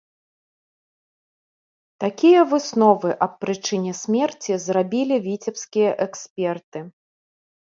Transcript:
Такія высновы аб прычыне смерці зрабілі віцебскія эксперты.